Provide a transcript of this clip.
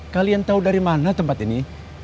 kalian tahu dari mana tempat ini